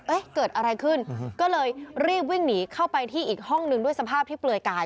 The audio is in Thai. เกิดอะไรขึ้นก็เลยรีบวิ่งหนีเข้าไปที่อีกห้องหนึ่งด้วยสภาพที่เปลือยกาย